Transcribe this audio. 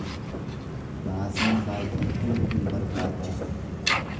Baasiin baay’achuun hin barbaachisu.